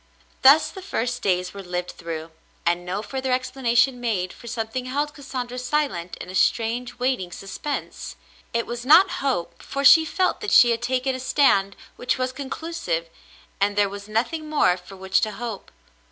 Thus the first days were lived through, and no further explanation made, for something held Cassandra silent in a strange waiting suspense. It was not hope, for she felt that she had taken a stand which was conclusive, and there was nothing more for which to hope.